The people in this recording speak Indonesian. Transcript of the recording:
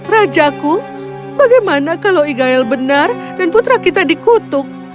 rajaku bagaimana kalau igael benar dan putra kita dikutuk